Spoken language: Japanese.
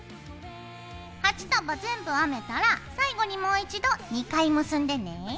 ８束全部編めたら最後にもう一度２回結んでね。